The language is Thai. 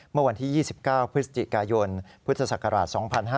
เมื่อวันที่๒๙พฤศจิกายนพุทธศักราช๒๕๕๙